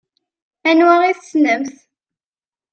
Anwa i tessnemt?